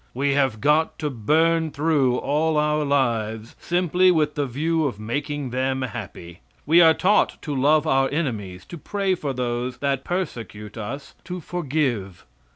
We have got to burn through all our lives simply with the view of making them happy. We are taught to love our enemies, to pray for those that persecute us, to forgive.